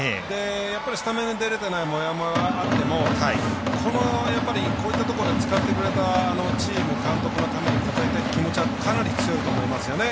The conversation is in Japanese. やっぱりスタメンで出れていないもやもやがあってもこういったところで使ってくれたチーム、監督のために応えたいって気持ちはかなり強いと思いますよね。